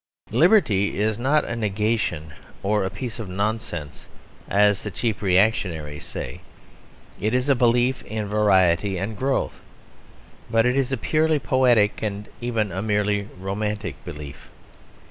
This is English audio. Liberty is not a negation or a piece of nonsense, as the cheap reactionaries say; it is a belief in variety and growth. But it is a purely poetic and even a merely romantic belief.